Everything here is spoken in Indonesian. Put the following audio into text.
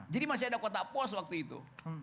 jadi masih ada kotak pos waktu itu